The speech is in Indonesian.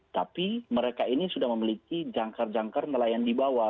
tapi mereka ini sudah memiliki jangkar jangkar nelayan di bawah